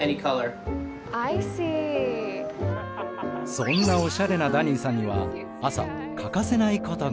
そんなおしゃれなダニーさんには朝欠かせないことが。